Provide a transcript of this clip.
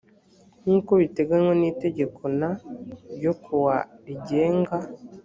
nk uko biteganywa n itegeko n ryo ku wa rigenga